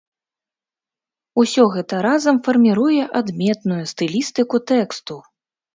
Усё гэта разам фарміруе адметную стылістыку тэксту.